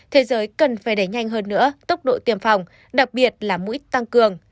thế giới cần phải đẩy nhanh hơn nữa tốc độ tiêm phòng đặc biệt là mũi tăng cường